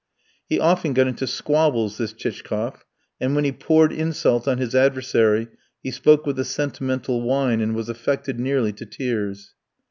He often got into squabbles, this Chichkof, and when he poured insult on his adversary, he spoke with a sentimental whine and was affected nearly to tears.